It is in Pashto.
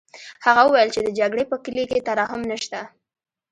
هغه وویل چې د جګړې په کلي کې ترحم نشته